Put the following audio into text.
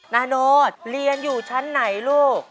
นาโน๊ตเรียนอยู่ชั้นไหนลูก